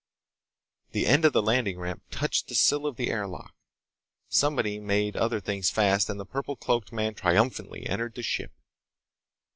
The end of the landing ramp touched the sill of the air lock. Somebody made other things fast and the purple cloaked man triumphantly entered the ship.